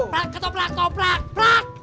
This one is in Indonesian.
plak ketoprak ketoprak plak